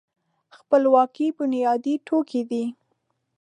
خپلواکي بنیادي توکی دی.